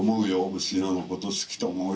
「シーナのこと好きと思うよ」